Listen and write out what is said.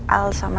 awet sudah juga